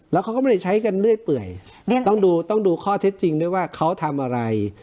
แล้วเขาก็ไม่ได้ใช้กันเรื่อยเปื่อยต้องดูต้องดูข้อเท็จจริงด้วยว่าเขาทำอะไร